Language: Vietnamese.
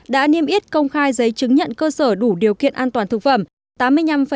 đã niêm yết công khai giấy chứng nhận cơ sở đủ điều kiện an toàn thực phẩm